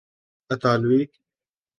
اطالوی